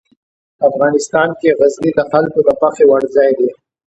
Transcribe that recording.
افغانستان کې غزني د خلکو د خوښې وړ ځای دی.